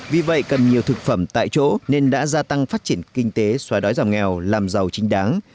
vì vậy cần nhiều thực phẩm tại chỗ nên đã gia tăng phát triển kinh tế xóa đói giảm nghèo làm giàu chính đáng